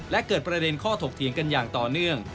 และเกิดประเด็นข้อถกเถียงกันอย่างต่อเนื่อง